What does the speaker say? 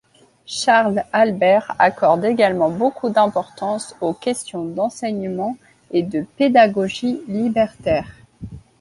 Charles-Albert accorde également beaucoup d’importance aux questions d’enseignement et de pédagogie libertaire.